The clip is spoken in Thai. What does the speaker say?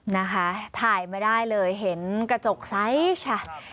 นะคะถ่ายมาได้เลยเห็นกระจกซ้ายชัด